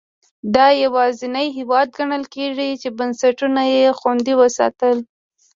دا یوازینی هېواد ګڼل کېږي چې بنسټونه یې خوندي وساتل.